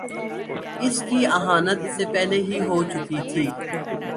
اس کی اہانت اس سے پہلے ہی ہو چکی تھی۔